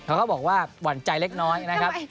เขาก็บอกว่าหวั่นใจเล็กน้อยนะครับ